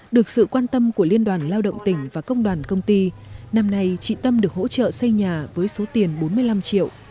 được sự quan tâm của liên đoàn lao động tỉnh và công đoàn công ty năm nay chị tâm được hỗ trợ xây nhà với số tiền bốn mươi năm triệu